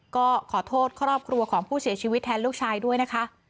ก็ขอโทษครอบครัวของผู้เสียชีวิตแทนลูกชายด้วยนะคะ